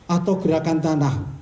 atau gerakan tanah